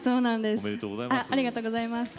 ありがとうございます。